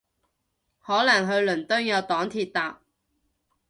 可能去倫敦有黨鐵搭